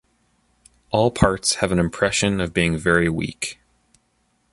All parts have an impression of being very weak...